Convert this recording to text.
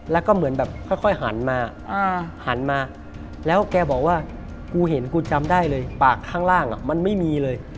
แล้วก็เหมือนแบบค่อยหันมาหันมาแล้วแกบอกว่ากูเห็นกูจำได้เลยปากข้างล่างมันไม่มีเลย